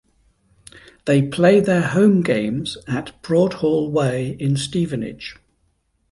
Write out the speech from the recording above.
They play their home games at Broadhall Way in Stevenage.